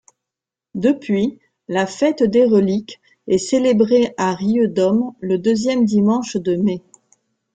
Depuis, la fête des reliques est célébrée à Riudoms le deuxième dimanche de mai.